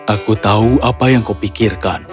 aku tahu apa yang kau pikirkan